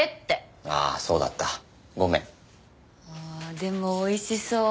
でもおいしそう。